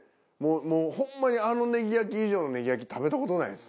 もうホンマにあのネギ焼き以上のネギ焼き食べた事ないです。